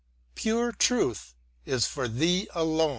pure truth is for Thee alone